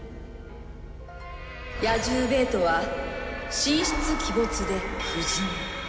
野獣ベートは神出鬼没で不死身。